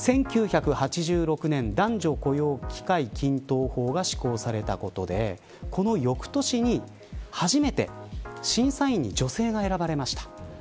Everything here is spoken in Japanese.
１９８６年男女雇用機会均等法が施行されたことでこの翌年に初めて審査員に女性が選ばれました。